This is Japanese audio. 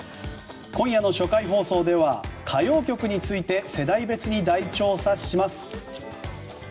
今夜の初回放送では歌謡曲について世代別に大調査します。